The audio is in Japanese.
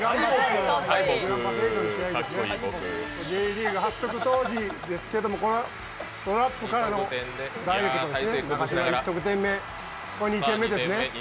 Ｊリーグ発足当時ですけれどもトラップからの、１点目、これ２点目ですね。